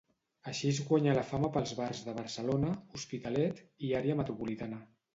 Així es guanyà la fama pels bars de Barcelona, Hospitalet, i àrea metropolitana.